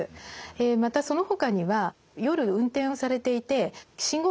えまたそのほかには夜運転をされていて信号機の矢印ですね